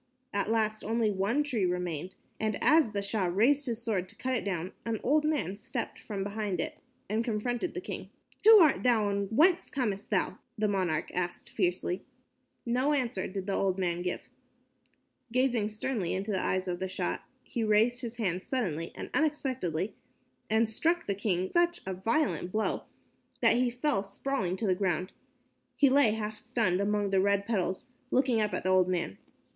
At last only one tree remained, and as the Shah raised his sword to cut it down, an old man stepped from behind it and confronted the king. "Who art thou, and whence camest thou?" the monarch asked fiercely. No answer did the old man make. Gazing sternly into the eyes of the Shah, he raised his hand suddenly and unexpectedly, and struck the king such a violent blow that he fell sprawling to the ground. He lay half stunned among the red petals, looking up at the old man.